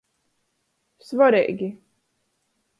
Svoreigi.